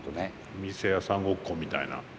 お店屋さんごっこみたいな。